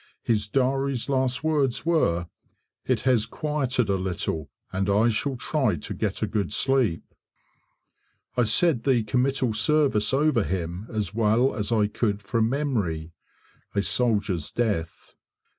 His diary's last words were, "It has quieted a little and I shall try to get a good sleep." I said the Committal Service over him, as well as I could from memory. A soldier's death!